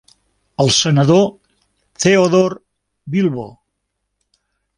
El senador Theodore Bilbo.